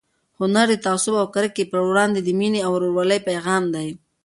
هنر د تعصب او کرکې پر وړاندې د مینې او ورورولۍ پيغام دی.